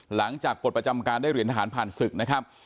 หลังจากปฏิบัติประจำการได้เหรียญทหารผ่านศึกนะครับ